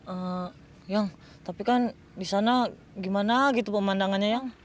eee yang tapi kan disana gimana gitu pemandangannya yang